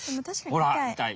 ほらいたい。